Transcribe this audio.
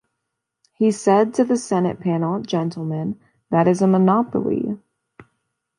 He said to the Senate panel, Gentlemen, that is a monopoly.